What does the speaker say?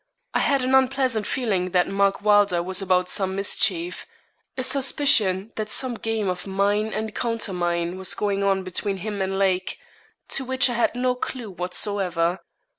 I had an unpleasant feeling that Mark Wylder was about some mischief a suspicion that some game of mine and countermine was going on between him and Lake, to which I had no clue whatsoever.